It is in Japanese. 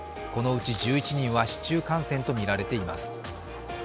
このうち１１人は市中感染とみられています。